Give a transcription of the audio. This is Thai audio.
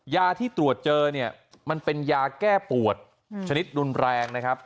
ยาที่ตรวจเจอเนี่ยมันเป็นยาแก้ปวดชนิดรุนแรงนะครับ